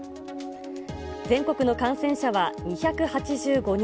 全国の感染者は２８５人。